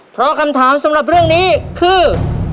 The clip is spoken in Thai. เพราะคำถามสำหรับเรื่องนี้คือ